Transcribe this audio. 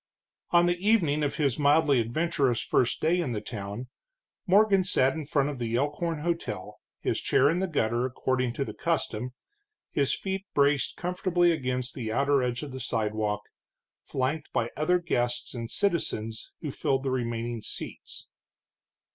On the evening of his mildly adventurous first day in the town, Morgan sat in front of the Elkhorn hotel, his chair in the gutter, according to the custom, his feet braced comfortably against the outer edge of the sidewalk, flanked by other guests and citizens who filled the remaining seats.